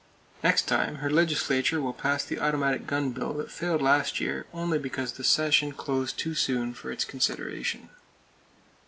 Next time, her legislature will pass the automatic gun bill that failed last year only because the session closed too soon for its consideration.